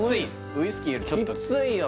ウイスキーよりちょっとキツいよ